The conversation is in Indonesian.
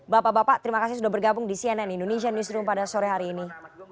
bapak bapak terima kasih sudah bergabung di cnn indonesia newsroom pada sore hari ini